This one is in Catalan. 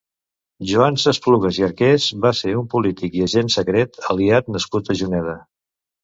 Joan Sasplugas i Arqués va ser un polític i agent secret aliat nascut a Juneda.